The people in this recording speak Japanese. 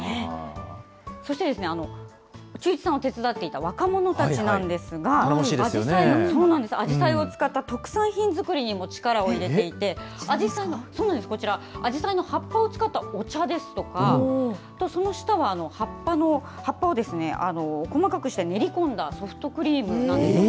そして、忠一さんを手伝っていた若者たちなんですが、あじさいを使った特産品作りにも力を入れていて、こちら、あじさいの葉っぱを使ったお茶ですとか、その下は、葉っぱを細かくして練り込んだソフトクリームなんです。